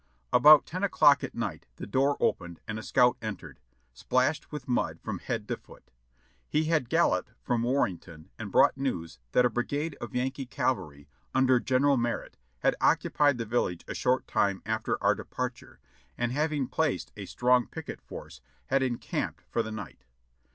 About ten o'clock at night the door opened and a scout entered, splashed with mud from head to foot. He had galloped from War renton and brought news that a brigade of Yankee cavalry under General Merritt had occupied the village a short time after our de parture, and having placed a strong picket force had encamped for the night.